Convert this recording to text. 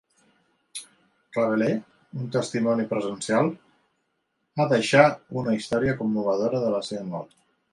Rabelais, un testimoni presencial, ha deixar una història commovedora de la seva mort.